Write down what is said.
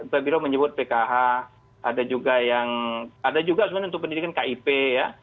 pak biro menyebut pkh ada juga yang ada juga sebenarnya untuk pendidikan kip ya